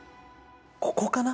ここかな。